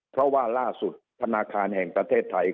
เพราะว่าล่าสุดธนาคารแห่งประเทศไทย